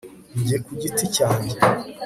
jye ku giti cyanjye